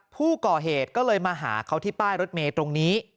ผู้ก่อเหตุก็เลยมาหาเขาที่ป้ายรถเมย์ตรงนี้